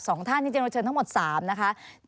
สองท่านที่เรียนรับเชิญทั้งหมด๓นะคะ